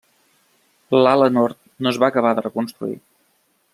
L'ala nord no es va acabar de reconstruir.